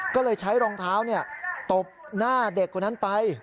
ก็เลยใช้รองเท้าตบหน้าเด็กคนนั้นไป